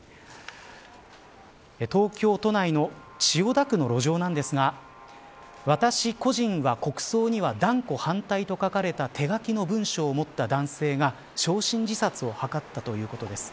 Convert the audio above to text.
東京都内の千代田区の路上ですが「私個人は国葬には断固反対」と書かれた手書きの文章を持った男性が焼身自殺を図ったということです。